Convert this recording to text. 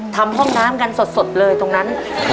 ทำห้องน้ำกันสดเลยตรงนั้น